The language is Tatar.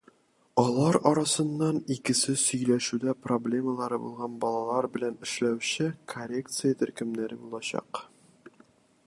Алар арасыннан икесе сөйләшүдә проблемалары булган балалар белән эшләүче коррекция төркемнәре булачак.